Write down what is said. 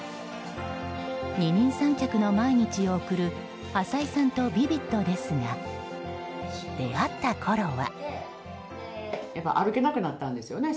二人三脚の毎日を送る浅井さんとヴィヴィッドですが出会ったころは。